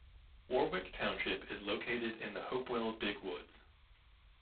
Warwick Township is located in the Hopewell Big Woods.